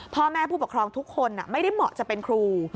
พ่อแม่ผู้ปกครองทุกคนไม่ได้เหมาะจะเป็นครู